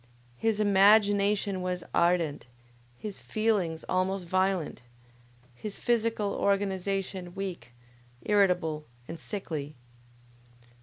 His imagination was ardent, his feelings almost violent, his physical organization weak, irritable and sickly.